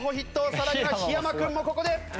さらには檜山君もここで。